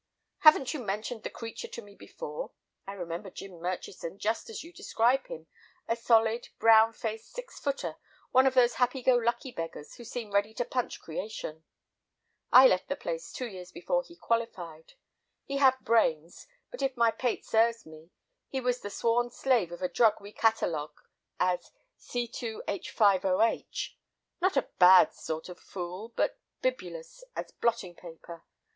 Haven't you mentioned 'the creature' to me before? I remember Jim Murchison just as you describe him, a solid, brown faced six footer, one of those happy go lucky beggars who seem ready to punch creation. I left the place two years before he qualified; he had brains, but if my pate serves me, he was the sworn slave of a drug we catalogue as C2H5OH. Not a bad sort of fool, but bibulous as blotting paper.